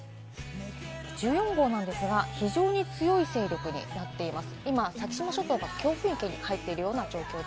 １４号なんですが非常に強い勢力になっています。